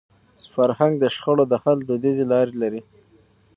فرهنګ د شخړو د حل دودیزي لارې لري.